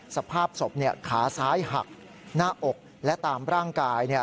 สภาพศพขาซ้ายหักหน้าอกและตามร่างกาย